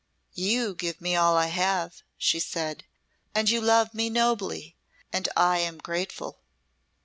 "You give me all I have," she said, "and you love me nobly, and I am grateful."